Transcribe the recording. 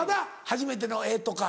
初めての絵とか。